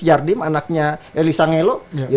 ardim anaknya elisangelo